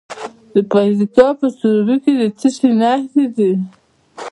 د پکتیکا په سروبي کې د څه شي نښې دي؟